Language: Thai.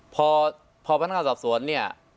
พอพนักงานสอบสวนเนี่ย